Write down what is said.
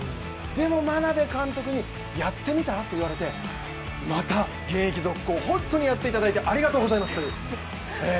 でも眞鍋監督に、やってみたらと言われてまた現役続行、本当にやっていただいて、ありがとうございますという。